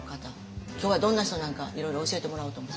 今日はどんな人なんかいろいろ教えてもらおうと思って。